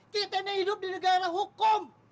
kita ini hidup di negara hukum